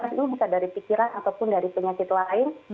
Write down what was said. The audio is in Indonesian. itu bisa dari pikiran ataupun dari penyakit lain